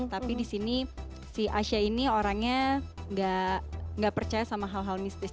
tapi disini si asya ini orangnya gak percaya sama hal hal mistis